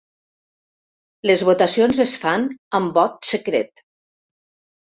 Les votacions es fan amb vot secret.